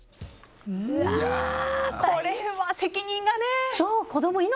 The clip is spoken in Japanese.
これは責任がね。